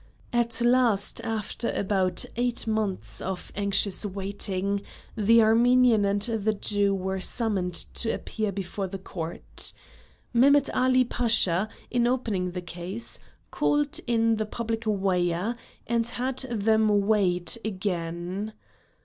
At last, after about eight months of anxious waiting, the Armenian and the Jew were summoned to appear before the court. Mehmet Ali Pasha, in opening the case, called in the Public Weigher and had them weighed again.